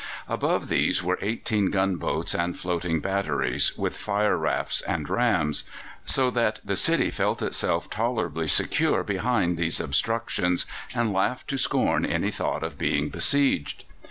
Above these were eighteen gunboats and floating batteries, with fire rafts and rams; so that the city felt itself tolerably secure behind these obstructions, and laughed to scorn any thought of being besieged.